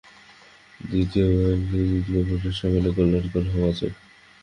দ্বিতীয়ত এই দিব্যপ্রেরণা সকলের কল্যাণকর হওয়া চাই।